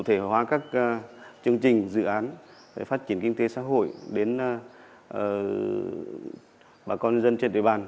thể hóa các chương trình dự án phát triển kinh tế xã hội đến bà con dân trên địa bàn